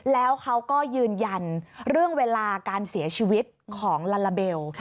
แล้วเขาก็ยืนยันเรื่องเวลาการเสียชีวิตของลาลาเบล